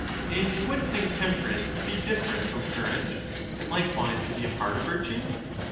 And you would think temperance to be different from courage ; and likewise to be a part of virtue